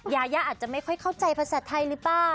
ยาย่าอาจจะไม่ค่อยเข้าใจภาษาไทยหรือเปล่า